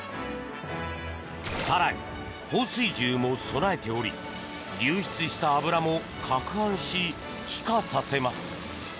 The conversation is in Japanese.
更に、放水銃も備えており流出した油もかくはんし気化させます。